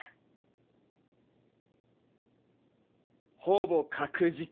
ほぼ確実。